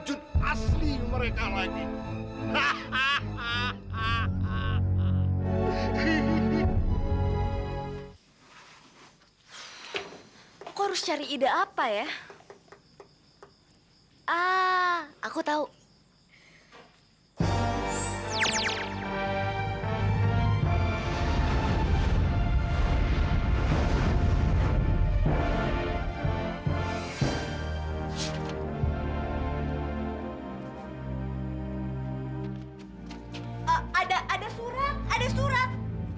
ada surat ada surat